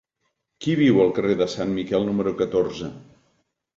Qui viu al carrer de Sant Miquel número catorze?